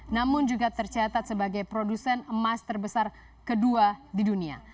namun juga tercatat sebagai produsen emas terbesar kedua di dunia